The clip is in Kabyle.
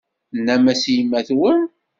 Tennam-as i yemma-twen?